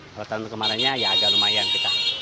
kalau tahun kemarinnya ya agak